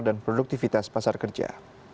dan produktivitas pasar kerja